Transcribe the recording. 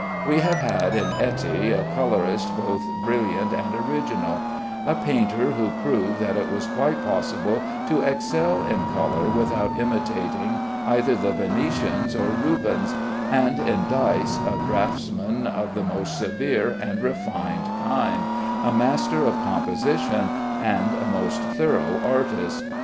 We have had in Etty a colorist both brilliant and original; a painter who proved that it was quite possible to excel in color without imitating either the Venetians or Rubens; and in Dyce a draughtsman of the most severe and refined kind, a master of composition, and a most thorough artist.